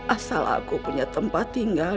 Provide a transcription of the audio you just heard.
asal aku punya tempat tinggal